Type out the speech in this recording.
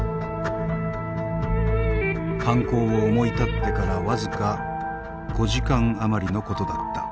犯行を思い立ってから僅か５時間余りのことだった。